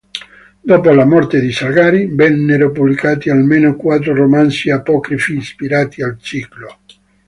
Dopo la morte di Salgari, vennero pubblicati almeno quattro romanzi apocrifi ispirati al ciclo.